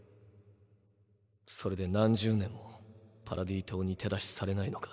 それで何十年もパラディ島に手出しされないのか？